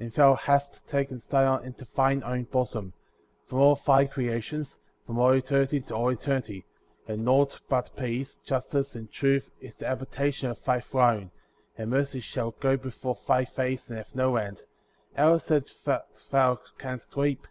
And thou hast taken Zion to thine own bosom,* from all thy creations, from all eternity to all eternity ; and nought but peace, justice, and truth is the habitation of thy throne; and mercy shall go before thy face and have no end; how is it thou canst weep?